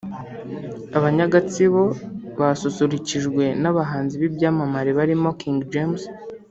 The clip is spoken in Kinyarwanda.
Abanya-Gatsibo basusurukijwe n'abahanzi b'ibyamamare barimo King James